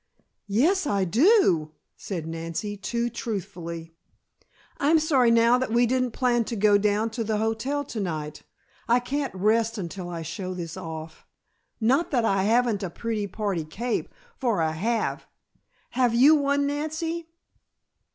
"Yes, I do," said Nancy, too truthfully. "I'm sorry now that we didn't plan to go down to the hotel to night. I can't rest until I show this off. Not that I haven't a pretty party cape, for I have. Have you one, Nancy?"